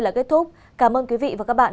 là kết thúc cảm ơn quý vị và các bạn